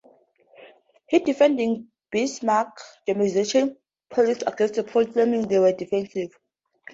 He defended Bismarck's Germanization policies against Poles claiming they were "defensive".